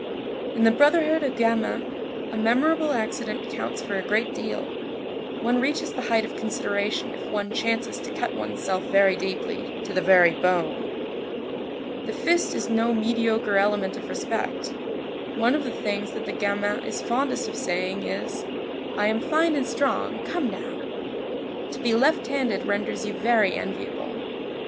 In the brotherhood of gamins, a memorable accident counts for a great deal. One reaches the height of consideration if one chances to cut one's self very deeply, "to the very bone." The fist is no mediocre element of respect. One of the things that the gamin is fondest of saying is: "I am fine and strong, come now!" To be left handed renders you very enviable.